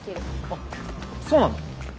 あっそうなんだ。